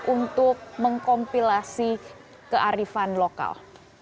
untuk mengkompilasi kearifan lokal